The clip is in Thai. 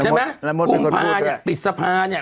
ใช่ไหมกุมภาเนี่ยปิดสภาเนี่ย